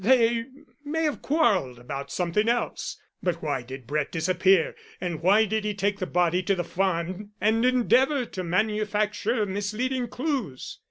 "They may have quarrelled about something else. But why did Brett disappear, and why did he take the body to the farm and endeavour to manufacture misleading clues?"